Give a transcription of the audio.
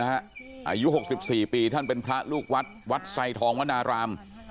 อายุ๖๔ปีท่านเป็นพระลูกวัดวัดไซทองวนาราม